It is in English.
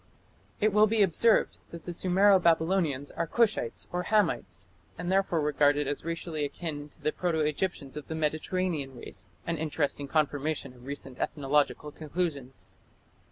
It will be observed that the Sumero Babylonians are Cushites or Hamites, and therefore regarded as racially akin to the proto Egyptians of the Mediterranean race an interesting confirmation of recent ethnological conclusions.